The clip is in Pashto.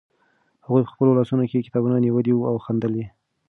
هغوی په خپلو لاسونو کې کتابونه نیولي وو او خندل یې.